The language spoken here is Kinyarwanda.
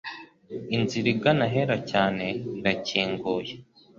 Inzira igana ahera cyane irakinguye.